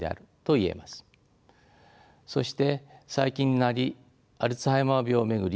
そして最近になりアルツハイマー病を巡り